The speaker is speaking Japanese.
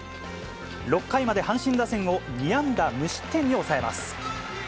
６回まで阪神打線を２安打無失点に抑えます。